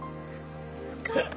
よかった。